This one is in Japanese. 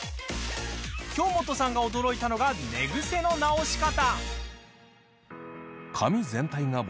京本さんが驚いたのが寝癖の直し方。